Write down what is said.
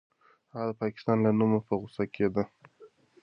هغه د پاکستان له نومه په غوسه کېده.